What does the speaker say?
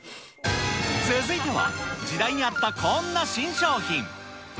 続いては、時代に合ったこんな新商品。